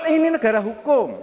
ini negara hukum